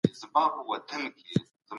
د صادراتو رول څه دی؟